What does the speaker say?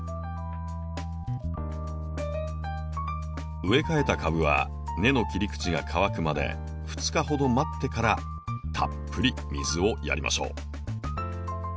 植え替えた株は根の切り口が乾くまで２日ほど待ってからたっぷり水をやりましょう。